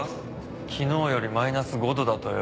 昨日よりマイナス５度だとよ。